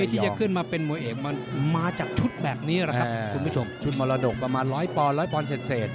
ที่จะขึ้นมาเป็นมวยเอกมันมาจากชุดแบบนี้แหละครับคุณผู้ชมชุดมรดกประมาณร้อยปอนร้อยปอนด์เสร็จ